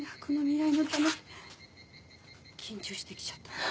緊張してきちゃった。